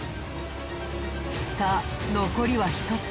さあ残りは１つ。